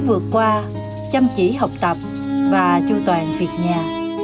hà vẫn vượt qua chăm chỉ học tập và chua toàn việc nhà